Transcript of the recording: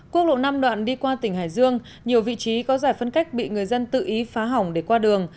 quốc lộ năm đoạn đi qua tỉnh hải dương nhiều vị trí có giải phân cách bị người dân tự ý phá hỏng để qua đường